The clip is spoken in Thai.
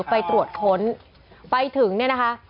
ไปตรวจค้นไปถึงเนี่ยนะคะ